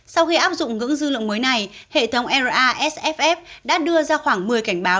sau khi áp dụng ngưỡng dư lượng mới này hệ thống rasf đã đưa ra khoảng một mươi cảnh báo